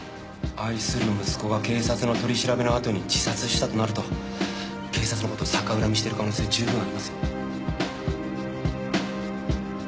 愛する息子が警察の取り調べのあとに自殺したとなると警察の事を逆恨みしてる可能性は十分ありますよ。